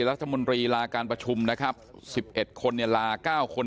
รัฐมนตรีลาการประชุมนะครับสิบเอ็ดคนลาก้าวคน